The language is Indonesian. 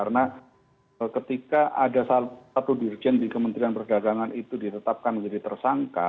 karena ketika ada satu dirjen di kementerian perdagangan itu ditetapkan menjadi tersangka